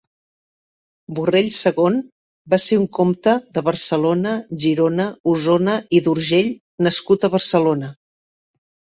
Borrell segon va ser un comte de Barcelona, Girona, Osona i d'Urgell nascut a Barcelona.